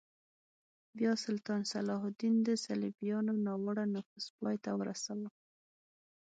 بیا سلطان صلاح الدین د صلیبیانو ناوړه نفوذ پای ته ورساوه.